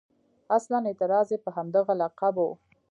اصلاً اعتراض یې په همدغه لقب و.